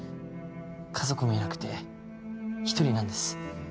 家族もいなくて１人なんです。